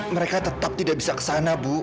mereka tetap tidak bisa ke sana bu